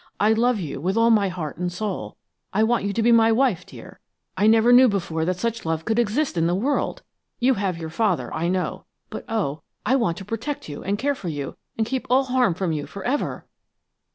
I love you with all my heart and soul; I want you to be my wife, dear! I never knew before that such love could exist in the world! You have your father, I know, but, oh, I want to protect you and care for you, and keep all harm from you forever."